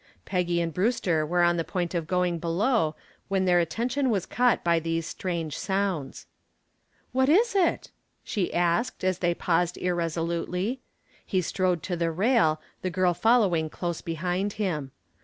Peggy and Brewster were on the point of going below when their attention was caught by these strange sounds. "What is it?" she asked as they paused irresolutely. He strode to the rail, the girl following close behind him.